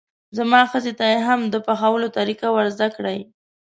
زما ښځې ته یې هم د پخولو طریقه ور زده کړئ.